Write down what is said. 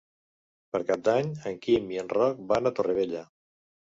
Per Cap d'Any en Quim i en Roc van a Torrevella.